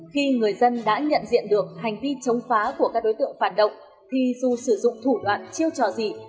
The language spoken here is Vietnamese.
khi người dân đã nhận diện được hành vi chống phá của các đối tượng phản động thì dù sử dụng thủ đoạn chiêu trò gì